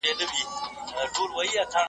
چې د ملتونو د ژغورلو لپاره